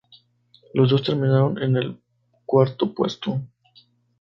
Los dos terminaron en el cuarto puesto.